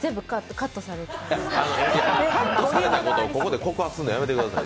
カットされたことをここで告白するのやめてください。